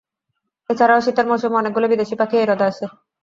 এছাড়াও শীতের মৌসুমে অনেকগুলি বিদেশী পাখি এই হ্রদে আসে।